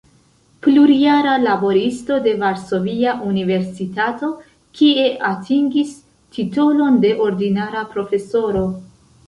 Plurjara laboristo de Varsovia Universitato, kie atingis titolon de ordinara profesoro.